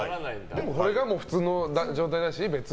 これが普通の状態だし。